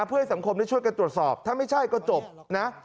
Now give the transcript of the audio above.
เพื่อให้สังคมได้ช่วยกันตรวจสอบถ้าไม่ใช่ก็จบนะ